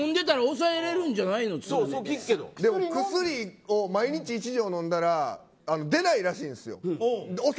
薬を毎日１錠飲んだら出ないらしいんですよ。